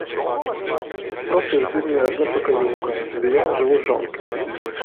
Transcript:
Простая здымная аднапакаёўка, дзе я жыву з жонкай.